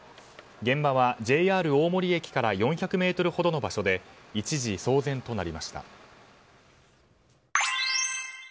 現場はＪＲ大森駅から４００ｍほどの場所で一時、騒然となりました。